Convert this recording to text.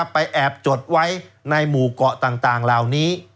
ไปแอบจดไว้ในหมู่เกาะต่างเหล่านี้